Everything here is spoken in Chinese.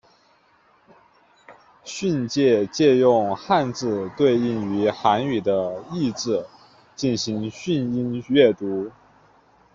训借借用汉字对应于韩语的意字进行训音阅读。